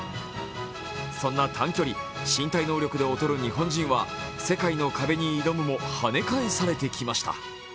そんな短距離、身体能力で劣る日本人は世界の壁に挑むもはね返されてきました。